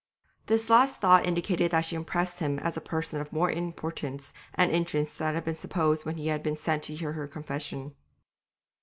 This last thought indicated that she impressed him as a person of more importance and interest than had been supposed when he had been sent to hear her confession.